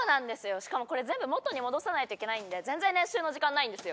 しかもこれ全部元に戻さないといけないんで全然練習の時間ないんですよ。